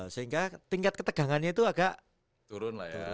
sehingga tingkat ketegangannya itu agak turun lah ya